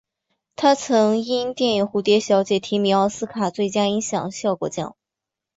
他曾因电影蝴蝶小姐提名奥斯卡最佳音响效果奖。